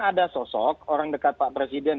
ada sosok orang dekat pak presiden